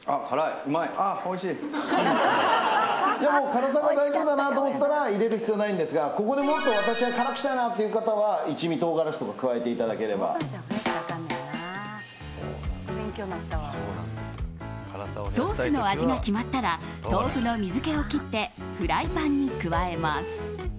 辛さが大丈夫だなと思ったら入れる必要ないんですがここでもっと辛くしたいなという方は一味唐辛子とかをソースの味が決まったら豆腐の水気を切ってフライパンに加えます。